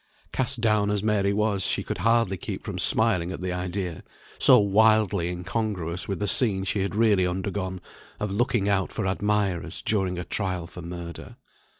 Cast down as Mary was, she could hardly keep from smiling at the idea, so wildly incongruous with the scene she had really undergone, of looking out for admirers during a trial for murder.